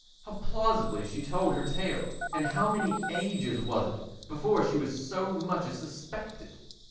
How plausibly she told her tale, and how many ages was it before she was so much as suspected!